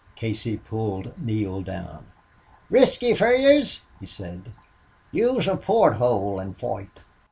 Casey pulled Neale down. "Risky fer yez," he said. "Use a port hole an' foight."